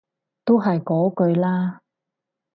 都係嗰句啦